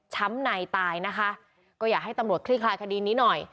ในตายนะคะก็อยากให้ตำรวจคลี่คลายคดีนี้หน่อย